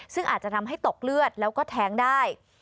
ซึ่งอาจจะทำให้ตกเลือดแล้วก็แท้งได้